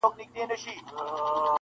• زاړه کيسې بيا راژوندي کيږي تل,